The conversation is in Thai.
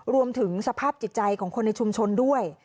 รวมถึงสภาพจิตใจของคนในชุมชนด้วย